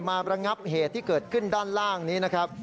ระงับเหตุที่เกิดขึ้นด้านล่างนี้นะครับ